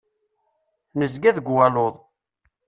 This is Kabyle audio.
Nezga deg waluḍ.